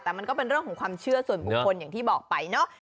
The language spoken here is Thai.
แต่มันก็เป็นเรื่องของความเชื่อส่วนบุคคลอย่างที่บอกไปเนาะ